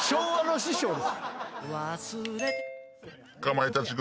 かまいたち軍。